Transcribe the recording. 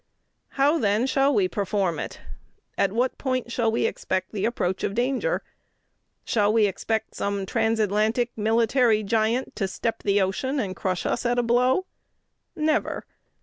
"How, then, shall we perform it? At what point shall we expect the approach of danger? Shall we expect some transatlantic military giant to step the ocean and crush us at a blow? Never!